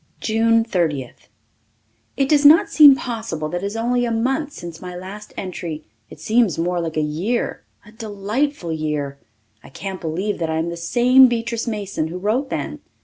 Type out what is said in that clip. June Thirtieth. It does not seem possible that it is only a month since my last entry. It seems more like a year a delightful year. I can't believe that I am the same Beatrice Mason who wrote then.